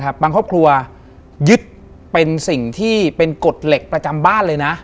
บางครอบครัวยึดเป็นสิ่งที่เป็นกฎเหล็กประจำบ้านเลยนะ